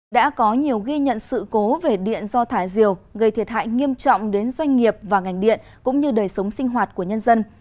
đã có nhiều ghi nhận sự cố về điện do thả diều gây thiệt hại nghiêm trọng đến doanh nghiệp và ngành điện cũng như đời sống sinh hoạt của nhân dân